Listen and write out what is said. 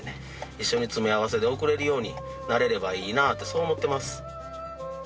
一緒に詰め合わせで贈れるようになれればいいなってそう思ってます。